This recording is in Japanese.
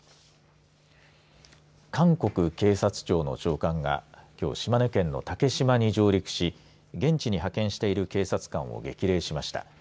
韓国警察庁の長官がきょう島根県の竹島に上陸し現地に派遣している警察官を激励しました。